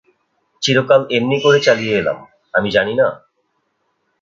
চিরকাল এমনি করে চালিয়ে এলাম, আমি জানি না?